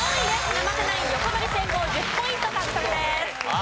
生瀬ナイン横取り成功１０ポイント獲得です。